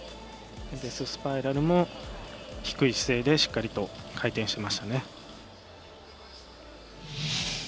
デススパイラルも低い姿勢で、しっかりと回転していましたね。